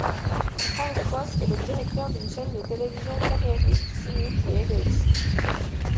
Frank Cross est le directeur d'une chaîne de télévision carriériste, cynique et égoïste.